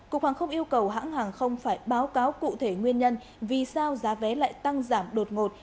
cục hàng không yêu cầu hãng hàng không phải báo cáo cụ thể nguyên nhân vì sao giá vé lại tăng giảm đột ngột